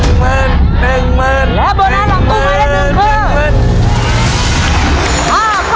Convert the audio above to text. และโบนัสหลังตู้ใหม่ได้ถึงคือ